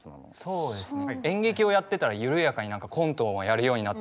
そうですね。